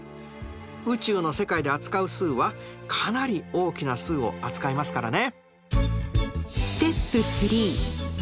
宇宙の世界で扱う数はかなり大きな数を扱いますからね。